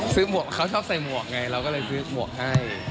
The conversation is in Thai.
หมวกเขาชอบใส่หมวกไงเราก็เลยซื้อหมวกให้